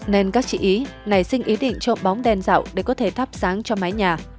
nên các chị ý nảy sinh ý định trộm bóng đèn dạo để có thể thắp sáng cho mái nhà